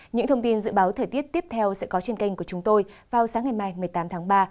những thông tin dự báo thời tiết tiếp theo sẽ có trên kênh của chúng tôi vào sáng ngày mai một mươi tám tháng ba